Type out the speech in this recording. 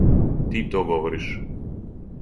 Ти то говориш!